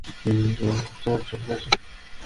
আমরা চার্চে রয়েছি।